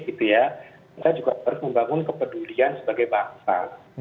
kita juga harus membangun kepedulian sebagai bangsa